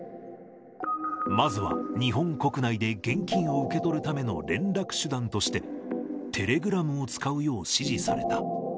まずは、日本国内で現金を受け取るための連絡手段として、テレグラムを使うよう指示された。